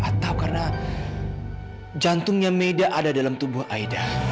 atau karena jantungnya meda ada dalam tubuh aida